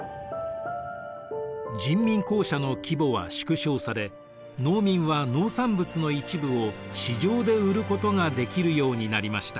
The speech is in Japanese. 人民公社の規模は縮小され農民は農産物の一部を市場で売ることができるようになりました。